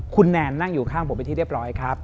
คุณแนนนั่งอยู่ข้างผมเป็นที่เรียบร้อยครับ